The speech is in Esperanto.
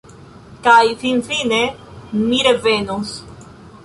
Kaj finfine mi revenos.